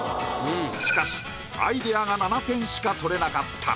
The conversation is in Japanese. しかしアイディアが７点しか取れなかった。